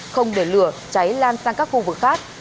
không để lửa cháy lan sang các khu vực khác